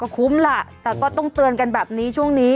คุ้มล่ะแต่ก็ต้องเตือนกันแบบนี้ช่วงนี้